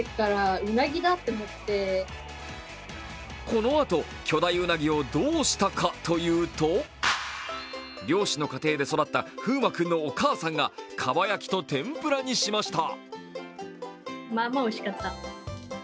このあと、巨大うなぎをどうしたかというと、漁師の家庭で育った富眞君のお母さんが、かば焼きと天ぷらにしました。